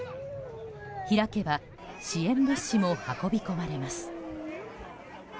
開けば支援物資も運び込まれます。